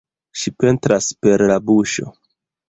Ŝi pentras per la buŝo.